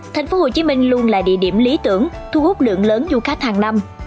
thành phố hồ chí minh luôn là địa điểm lý tưởng thu hút lượng lớn du khách hàng năm